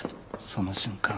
その瞬間